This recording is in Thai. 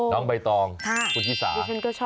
น้องใบตองน้องผู้ที่สา